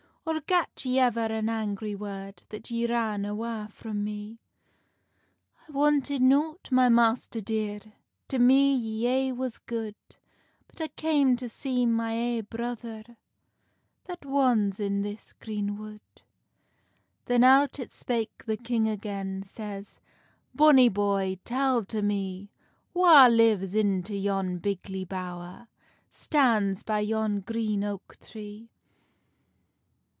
Or gat ye ever an angry word, That ye ran awa frae me?" "I wanted nought, my master dear; To me ye ay was good; I came but to see my ae brother, That wons in this green wood." Then out it spake the king again, Says, "Bonny boy, tell to me, Wha lives into yon bigly bowr, Stands by yon green oak tree?"